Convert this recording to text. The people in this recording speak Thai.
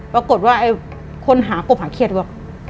ปรากฏว่าคนหากบหาเขียดบอก